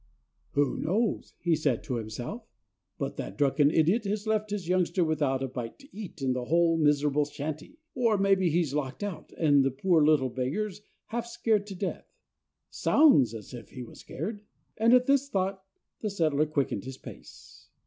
"Who knows," he said to himself, "but that drunken idiot has left his youngster without a bite to eat in the whole miserable shanty? Or maybe he's locked out, and the poor little beggar's half scared to death. Sounds as if he was scared;" and at this thought the settler quickened his pace.